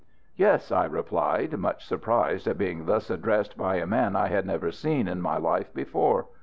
"Yes," I replied, much surprised at being thus addressed by a man I had never seen in my life before.